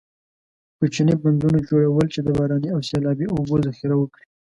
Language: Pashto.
کوچنۍ بندونو جوړول چې د باراني او سیلابي اوبو ذخیره وکړي.